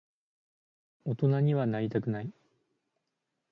大人にはなりたくない。